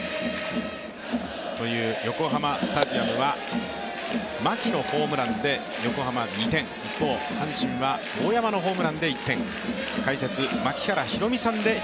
横浜スタジアムは牧のホームランで横浜２点、一方阪神は大山のホームランで１点。